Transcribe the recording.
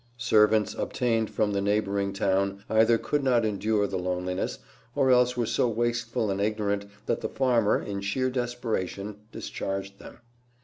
Servants obtained from the neighboring town either could not endure the loneliness, or else were so wasteful and ignorant that the farmer, in sheer desperation, discharged them.